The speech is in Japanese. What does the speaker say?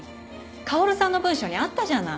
薫さんの文書にあったじゃない。